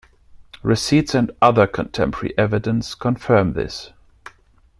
Receipts and other contemporary evidence confirm this.